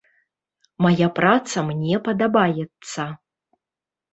Мая праца мне падабаецца.